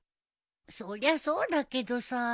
そりゃそうだけどさ。